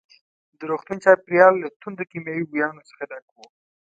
د روغتون چاپېریال له توندو کیمیاوي بویانو څخه ډک وو.